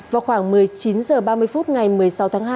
vào khoảng một mươi chín h ba mươi phút ngày một mươi sáu tháng hai